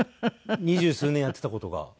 二十数年やってた事が。